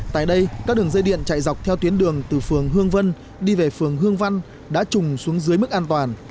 tại đây các đường dây điện chạy dọc theo tuyến đường từ phường hương vân đi về phường hương văn đã chùng xuống dưới mức an toàn